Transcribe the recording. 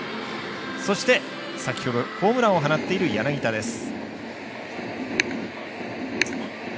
そして、先ほどホームランを放っている柳田です。